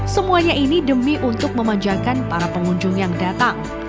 semuanya ini demi untuk memanjakan para pengunjung yang datang